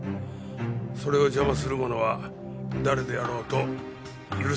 それを邪魔する者は誰であろうと許さない。